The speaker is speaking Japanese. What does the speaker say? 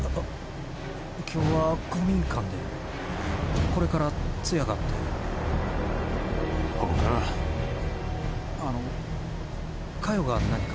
今日は公民館でこれから通夜があってほうかあの華代が何か？